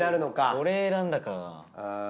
これ選んだか。